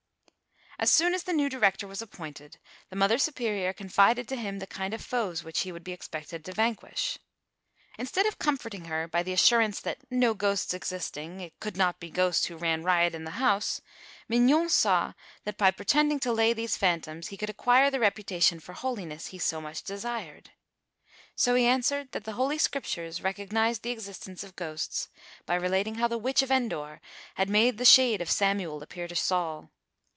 As soon as the new director was appointed, the mother superior confided to him the kind of foes which he would be expected to vanquish. Instead of comforting her by the assurance that no ghosts existing, it could not be ghosts who ran riot in the house, Mignon saw that by pretending to lay these phantoms he could acquire the reputation for holiness he so much desired. So he answered that the Holy Scriptures recognised the existence of ghosts by relating how the witch of Endor had made the shade of Samuel appear to Saul.